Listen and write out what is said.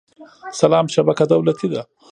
سلام شبکه دولتي ده